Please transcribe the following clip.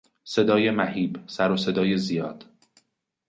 صدای مهیب، سروصدای زیاد